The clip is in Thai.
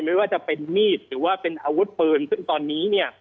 ไม่ว่าจะเป็นมีดหรือว่าเป็นอาวุธปืนซึ่งตอนนี้เนี่ย